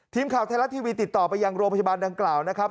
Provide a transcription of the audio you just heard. ทีมข่าวไทยรัฐทีวีติดต่อไปยังโรงพยาบาลดังกล่าวนะครับ